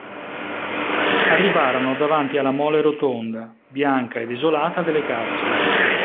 Arrivarono davanti alla mole rotonda, bianca e desolata delle carceri.